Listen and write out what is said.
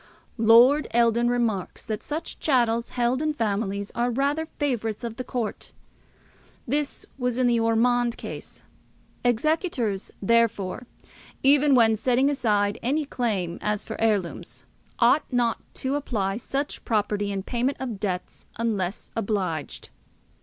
Lord Eldon remarks, that such chattels held in families are "rather favourites of the court." This was in the Ormonde case. Executors, therefore, even when setting aside any claim as for heirlooms, ought not to apply such property in payment of debts unless obliged.